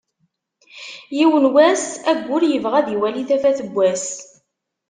Yiwen n wass aggur yebɣa ad iwali tafat n wass.